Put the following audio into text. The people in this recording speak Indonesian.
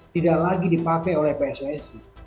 tidak lagi dipakai oleh pssi